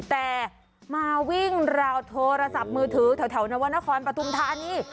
แต่มาวิ่งราวโทรศัพท์มือถือแถวนวรรณครปฐุมธานี